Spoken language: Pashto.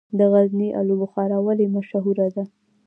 د غزني الو بخارا ولې مشهوره ده؟